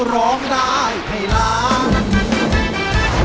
ร้องได้ให้ล้าน